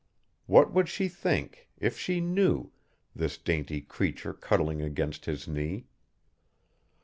What would she think, if she knew, this dainty creature cuddling against his knee?